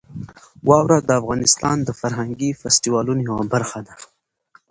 واوره د افغانستان د فرهنګي فستیوالونو یوه برخه ده.